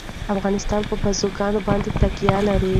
افغانستان په بزګان باندې تکیه لري.